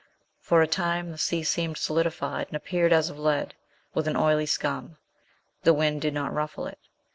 For a time the sea seemed solidified and appeared as of lead, with an oily scum ; the wind did not ruffle it.